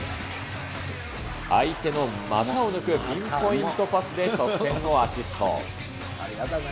相手の股を抜くピンポイントパスで得点をアシスト。